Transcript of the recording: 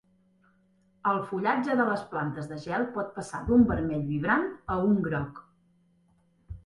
El fullatge de les plantes de gel pot passar d'un vermell vibrant a un groc.